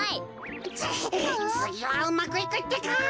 つつぎはうまくいくってか！